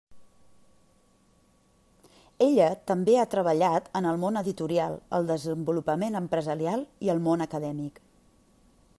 Ella també ha treballat en el món editorial, el desenvolupament empresarial i el món acadèmic.